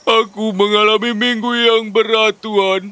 aku mengalami minggu yang berat tuhan